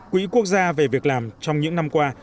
quỹ quốc gia về việc làm trong những năm qua